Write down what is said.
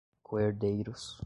coerdeiros